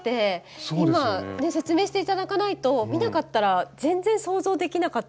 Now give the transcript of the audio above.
今ね説明して頂かないと見なかったら全然想像できなかったです。